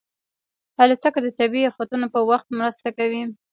الوتکه د طبیعي افتونو په وخت مرسته کوي.